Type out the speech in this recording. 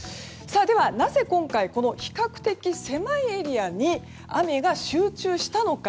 では、なぜ今回比較的狭いエリアに雨が集中したのか。